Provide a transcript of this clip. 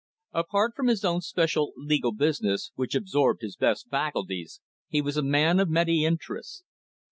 Apart from his own special legal business, which absorbed his best faculties, he was a man of many interests.